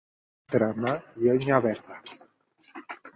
Cremar llenya verda.